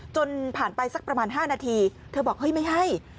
จนผ่านไปสักประมาณ๕นาทีเธอบอกเฮ้ยไม่ให้